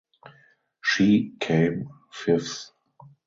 She came fifth.